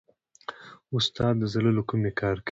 استاد د زړه له کومې کار کوي.